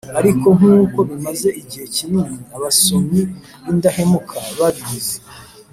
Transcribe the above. ariko nkuko bimaze igihe kinini, abasomyi b'indahemuka babizi,